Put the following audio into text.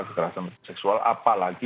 kekerasan seksual apalagi